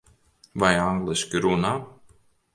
Vai angliski runā?